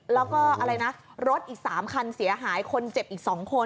แล้วก็รถอีก๓คนเสียหายคนเจ็บอีก๒คน